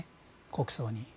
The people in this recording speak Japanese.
国葬に。